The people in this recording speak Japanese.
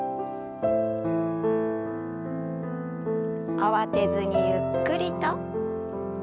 慌てずにゆっくりと。